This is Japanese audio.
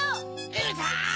うるさい！